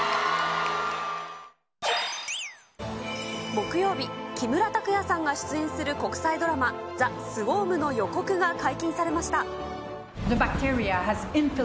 木曜日、木村拓哉さんが出演する国際ドラマ、ザ・スウォームの予告が解禁されました。